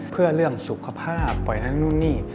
เพื่อเรื่องสุขภาพปล่อยนั้นนู่นนี่